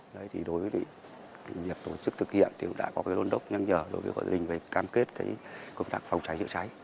đối với việc tổ chức thực hiện thì đã có lôn đốc nhăn nhở đối với hội đình về cam kết công tác phòng cháy